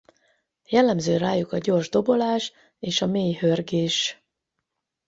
Jellemző rájuk a gyors dobolás és a mély hörgés.